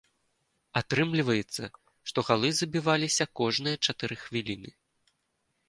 Атрымліваецца, што галы забіваліся кожныя чатыры хвіліны.